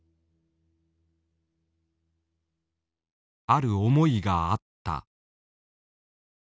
ある思いがあった。